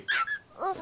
あっ。